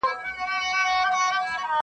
نه معلوم یې چاته لوری نه یې څرک سو!!